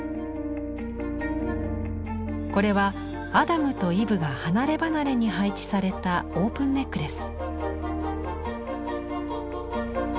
これはアダムとイヴが離れ離れに配置されたオープンネックレス。